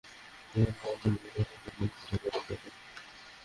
স্থানীয় বাসিন্দাদের প্রচেষ্টায় সেই সময় বাঁধটি ভাঙনের হাত থেকে রক্ষা পায়।